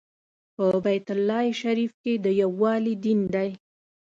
په بیت الله شریف کې د یووالي دین دی.